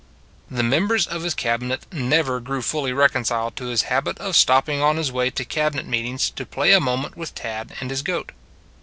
The members of his Cabinet never grew fully reconciled to his habit of stopping on his way to Cabinet meetings to play a mo ment with Tad and his goat.